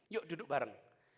yuk duduk bareng